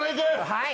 はい。